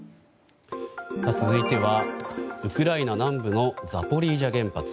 続いてはウクライナ南部のザポリージャ原発。